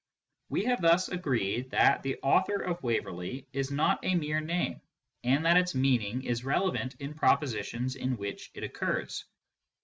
We have thus agreed that " the author of Waverley " is not a mere name, and that its meaning is relevant in propositions in which it occurs.